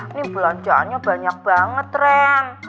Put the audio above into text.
ini belanjaannya banyak banget tren